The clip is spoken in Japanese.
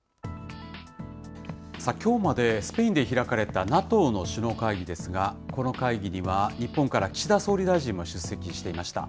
きょうまでスペインで開かれたＮＡＴＯの首脳会議ですが、この会議には、日本から岸田総理大臣も出席していました。